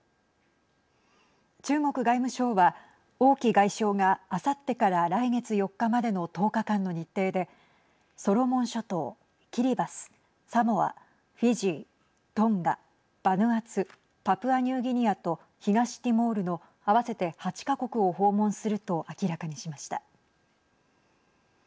中国外務省は王毅外相が、あさってから来月４日までの１０日間の日程でソロモン諸島キリバス、サモアフィジー、トンガバヌアツパプアニューギニアと東ティモールの合わせて８か国を訪問すると明らかにしました。